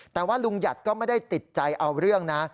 แต่ว่าลุงหยัดก็ไม่ได้ติดใจเอาเรื่องนะ